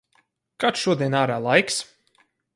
Kāds šodien ārā laiks?